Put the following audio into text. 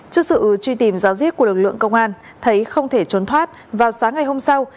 trước sự truy tìm giáo diết của lực lượng công an thấy không thể trốn thoát vào sáng ngày hôm sau